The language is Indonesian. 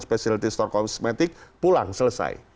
specialty store kosmetik pulang selesai